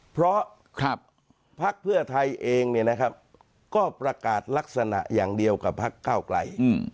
เพราะภักดิ์เพื่อไทยเองเนี่ยนะครับก็ประกาศลักษณะอย่างเดียวกับภักดิ์ก้าวไกร